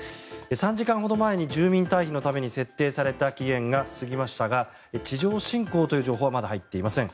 ３時間ほど前に住民退避のために設定された期限が過ぎましたが地上侵攻という情報はまだ入っていません。